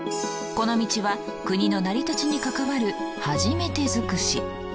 この道は国の成り立ちに関わる初めてづくし。